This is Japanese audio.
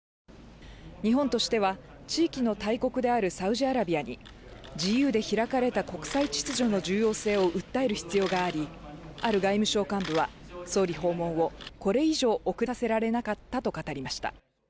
日本としては、地域の大国であるサウジアラビアに自由で開かれた国際秩序の重要性を訴える必要があり、ある外務省幹部は総理訪問をこれ以上遅らせられなかったと語りました。